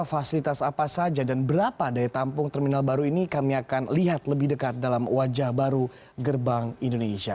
fasilitas apa saja dan berapa daya tampung terminal baru ini kami akan lihat lebih dekat dalam wajah baru gerbang indonesia